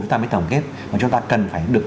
chúng ta mới tổng kết mà chúng ta cần phải được